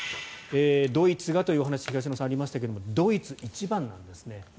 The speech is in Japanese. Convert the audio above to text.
ドイツがというお話東野さん、ありましたがドイツ、一番なんですね。